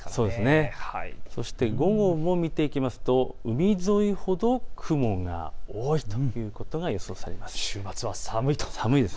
そして午後を見ていくと海沿いほど雲が多いということが予想されています。